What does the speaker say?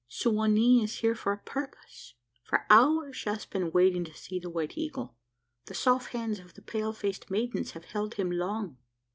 "Su wa nee is here for a purpose. For hours she has been waiting to see the White Eagle. The soft hands of the pale faced maidens have held him long."